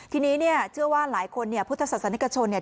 ทีนี้เนี่ยเชื่อว่าหลายคนเนี่ยพุทธศาสนิกชนเนี่ย